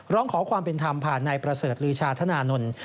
ร้องขอความเป็นธรรมผ่านนายประเสริฐลือชาธนานนท์